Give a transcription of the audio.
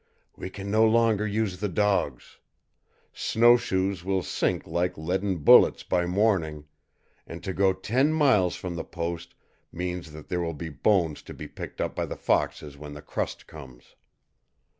"We can no longer use the dogs. Snowshoes will sink like leaden bullets by morning, and to go ten miles from the post means that there will be bones to be picked by the foxes when the crust comes!"